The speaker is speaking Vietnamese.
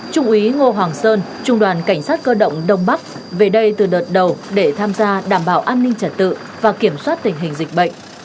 trung úy ngô hoàng sơn trung đoàn cảnh sát cơ động đông bắc về đây từ đợt đầu để tham gia đảm bảo an ninh trật tự và kiểm soát tình hình dịch bệnh